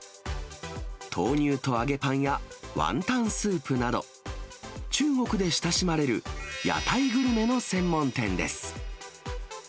豆乳と揚げパンやワンタンスープなど、中国で親しまれる屋台グルメの専門店です。